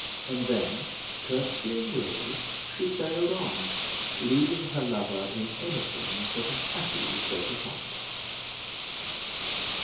And then curtseying low she sailed on, leaving her lover in anything but a happy state of mind.